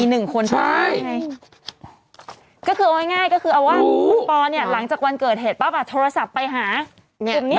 หื้อพี่มดรู้จักทุกคน